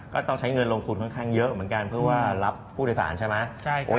ก็ต้องใช้เงินลงทุนค่อนข้างเยอะเหมือนกันเพื่อว่ารับผู้โดยสารใช่ไหม